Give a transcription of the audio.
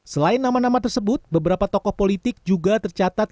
selain nama nama tersebut beberapa tokoh politik juga tercatat